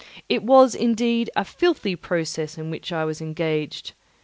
It was, indeed, a filthy process in which I was engaged.